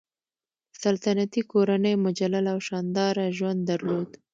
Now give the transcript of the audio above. سلطنتي کورنۍ مجلل او شانداره ژوند درلود.